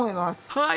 はい！